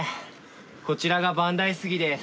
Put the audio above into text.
こちらが万代杉です。